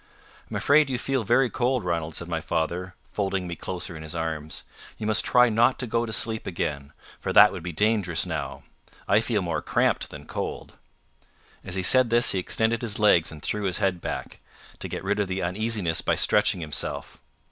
"I'm afraid you feel very cold, Ranald," said my father, folding me closer in his arms. "You must try not to go to sleep again, for that would be dangerous now. I feel more cramped than cold." As he said this, he extended his legs and threw his head back, to get rid of the uneasiness by stretching himself.